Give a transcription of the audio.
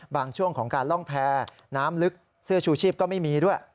ช่วงของการล่องแพรน้ำลึกเสื้อชูชีพก็ไม่มีด้วย